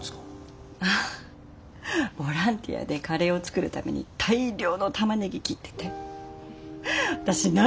ボランティアでカレーを作るために大量のタマネギ切ってて私涙止まらなくて。